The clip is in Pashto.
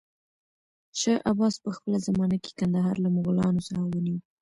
شاه عباس په خپله زمانه کې کندهار له مغلانو څخه ونيو.